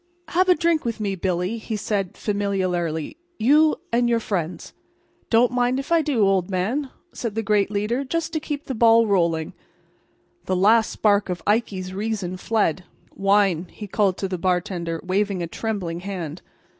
"Have a drink with me, Billy," he said familiarly, "you and your friends?" "Don't mind if I do, old man," said the great leader, "just to keep the ball rolling." The last spark of Ikey's reason fled. "Wine," he called to the bartender, waving a trembling hand.